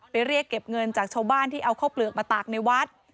เรียกเก็บเงินจากชาวบ้านที่เอาข้าวเปลือกมาตากในวัด